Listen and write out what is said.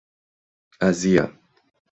azia